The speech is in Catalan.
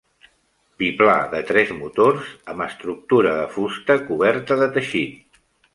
Biplà de tres motors amb estructura de fusta coberta de teixit.